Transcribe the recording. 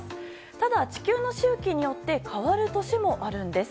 ただ、地球の周期によって変わる年もあるんです。